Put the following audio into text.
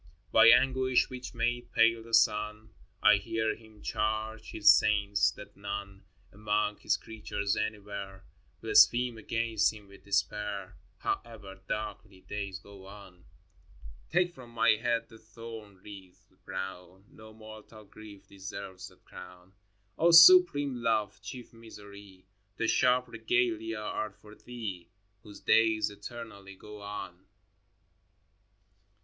XIX. By anguish which made pale the sun, I hear Him charge His saints that none Among His creatures anywhere Blaspheme against Him with despair, However darkly days go on. xx. Take from my head the thorn wreath brown ! No mortal grief deserves that crown. O supreme Love, chief Misery, The sharp regalia are for Thee Whose days eternally go on